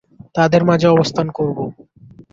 তাদের মাঝে অবস্থান করব।